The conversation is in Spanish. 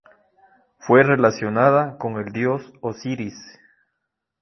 Fue relacionada con el dios Osiris.